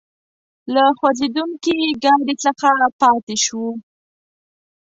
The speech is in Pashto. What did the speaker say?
له خوځېدونکي ګاډي څخه پاتې شوو.